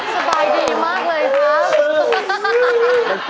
สบายดีมากเลยนะ